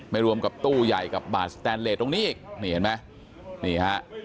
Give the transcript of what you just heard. รวมกับตู้ใหญ่กับบาทสแตนเลสตรงนี้อีกนี่เห็นไหมนี่ฮะ